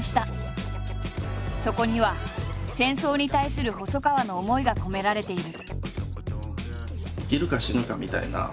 そこには戦争に対する細川の思いが込められている。